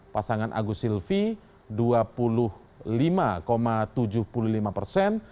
pasangan agus silvi dua puluh lima tujuh puluh lima persen